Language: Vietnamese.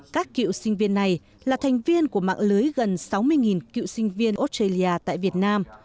các cựu sinh viên này là thành viên của mạng lưới gần sáu mươi cựu sinh viên australia tại việt nam